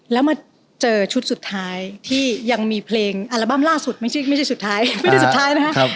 แล้วมาเจอชุดสุดท้ายที่ยังมีเพลงอัลบั้มล่าสุดไม่ใช่สุดท้ายไม่ใช่สุดท้ายนะครับ